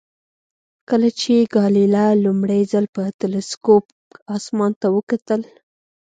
کله چې ګالیله لومړی ځل په تلسکوپ اسمان ته وکتل.